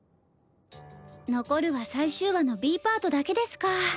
残るは最終話のＢパートだけですか。